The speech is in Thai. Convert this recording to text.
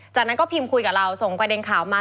จากนั้นก็พิมพ์คุยกับเราส่งประเด็นข่าวมา